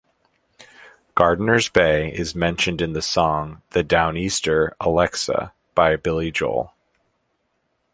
Gardiners Bay is mentioned in the song "The Downeaster 'Alexa'" by Billy Joel.